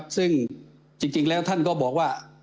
ซึ่งจริงแล้วท่านก็บอกว่า